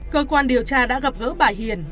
cơ quan điều tra đã gặp gỡ bà hiền